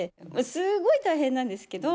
すごい大変なんですけど。